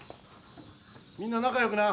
みんな仲良くな！